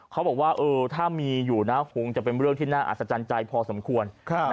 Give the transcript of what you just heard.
เขาบอกว่าถ้ามีอยู่นะคงจะเป็นเรื่องที่น่าอัศจรรย์ใจพอสมควร